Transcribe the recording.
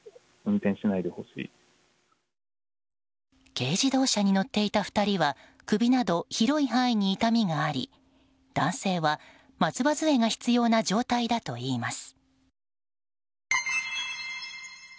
軽自動車に乗っていた２人は首など広い範囲に痛みがあり男性は松葉杖が必要な状態だといいます。